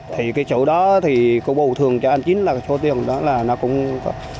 thì cái chỗ đó thì có bầu thường cho anh chín là số tiền đó là nó cũng có